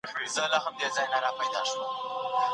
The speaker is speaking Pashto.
کورنۍ به قرضونه نور وانخلي.